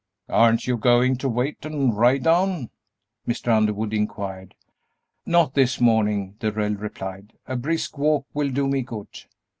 "Aren't you going to wait and ride down?" Mr. Underwood inquired. "Not this morning," Darrell replied; "a brisk walk will do me good."